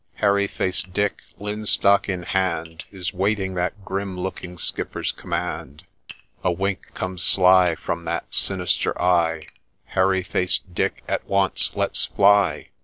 Hairy faced Dick, linstock in hand, Is waiting that grim looking Skipper's command :— A wink comes sly From that sinister eye — Hairy faced Dick at once let 's fly.